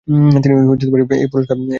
তিনি এই পুরস্কার লাভ করেন।